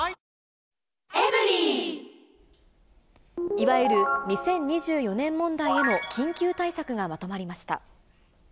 いわゆる２０２４年問題への緊急対策がまとまりました。